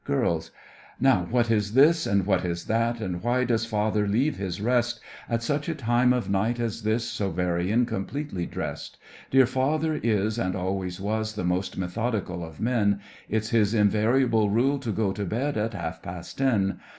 GIRLS: Now what is this, and what is that, and why does father leave his rest At such a time of night as this, so very incompletely dressed? Dear father is, and always was, the most methodical of men! It's his invariable rule to go to bed at half past ten.